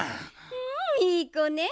うんいいこね。